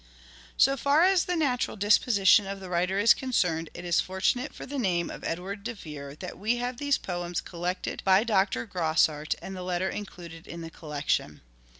Personality. go far as fhe natural disposition of the writer is concerned, it is fortunate for the name of Edward de Vere that we have these poems collected by Dr. Grosart and the letter included in the collection.